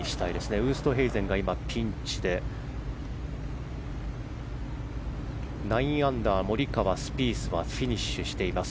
ウーストヘイゼンが今ピンチで９アンダー、モリカワスピースはフィニッシュしています。